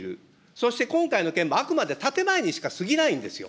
そして今回の件もあくまで建て前にしかすぎないんですよ。